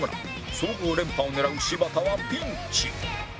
総合連覇を狙う柴田はピンチ！